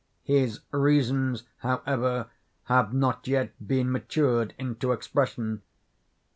His reasons, however, have not yet been matured into expression.